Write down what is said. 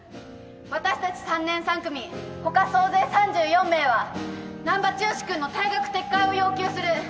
私たち３年３組他総勢３４名は難破剛君の退学撤回を要求する。